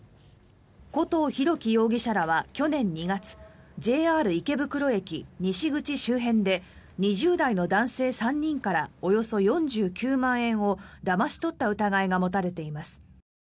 古藤大樹容疑者らは去年２月ＪＲ池袋駅西口周辺で２０代の男性３人からおよそ４９万円をだまし取った疑いが持たれています。